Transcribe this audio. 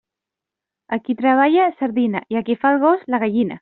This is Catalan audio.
A qui treballa, sardina, i a qui fa el gos, la gallina.